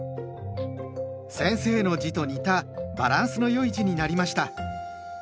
先生の字と似たバランスの良い字になりました。